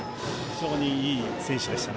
非常にいい選手でした。